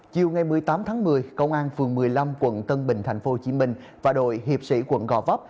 chiều ngày một mươi tám tháng một mươi công an phường một mươi năm quận tân bình tp hcm và đội hiệp sĩ quận gò vấp